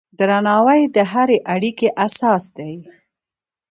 درناوی د هرې اړیکې اساس دی.